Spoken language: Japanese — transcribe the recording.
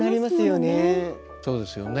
そうですよね。